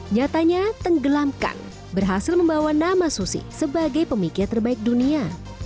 nyatanya tenggelamkan berhasil membawa nama susi sebagai pemikir terbaik dunia